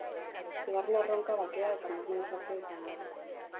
Bigarren erronka bakea eta normalizazioa izango da.